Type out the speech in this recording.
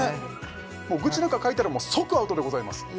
もう愚痴なんか書いたら即アウトでございますですよね